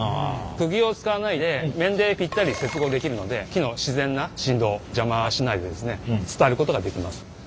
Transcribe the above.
くぎを使わないで面でぴったり接合できるので木の自然な振動邪魔しないでですね伝えることができます。